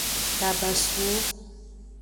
Tabasuwo.